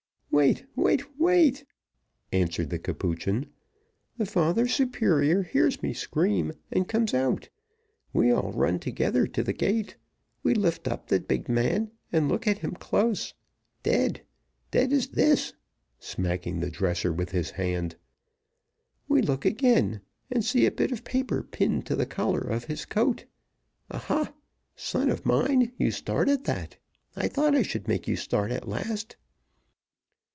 "Wait wait wait," answered the Capuchin. "The father superior hears me scream and comes out; we all run together to the gate; we lift up the big man and look at him close. Dead! dead as this (smacking the dresser with his hand). We look again, and see a bit of paper pinned to the collar of his coat. Aha! son of mine, you start at that. I thought I should make you start at last."